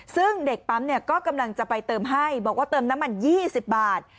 ซึ่งเด็กปั๊มเนี่ยก็กำลังจะไปเติมให้บอกว่าเติมน้ำมัน๒๐บาท